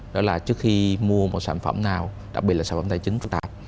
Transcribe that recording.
đó là trước khi mua một sản phẩm nào đặc biệt là sản phẩm tài chính phức tạp